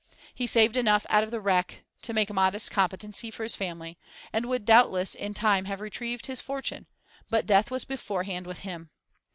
He saved enough out of the wreck to: make a modest competency for his family, and would doubtless in time have retrieved his fortune, but death was beforehand with him.